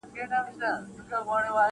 درد په حافظه کي پاتې کيږي,